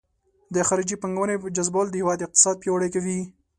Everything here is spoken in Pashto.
د خارجي پانګونې جذبول د هیواد اقتصاد پیاوړی کوي.